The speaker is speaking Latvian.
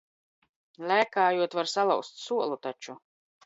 Lēkājot var salauzt solu taču.